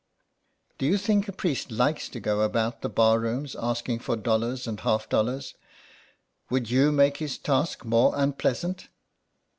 " Do you think a priest likes to go about the bar rooms asking for dollars and half dollars ? Would you make his task more unpleasant